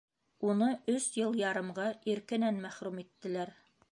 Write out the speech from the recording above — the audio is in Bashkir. Уны өс йыл ярымға иркенән мәхрүм иттеләр.